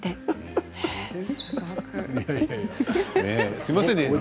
すみませんね。